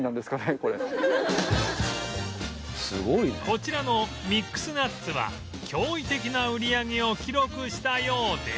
こちらのミックスナッツは驚異的な売り上げを記録したようで